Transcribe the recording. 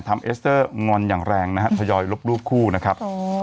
ทำเอสเตอร์งอนอย่างแรงพยายอดลบรูปคู่นะครับ